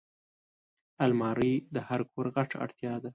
الماري د هر کور غټه اړتیا ده